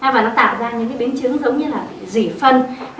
và nó tạo ra những biến chứng giống như là dỉ phân